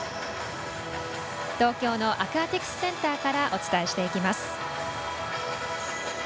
東京のアクアティクスセンターからお伝えしていきます。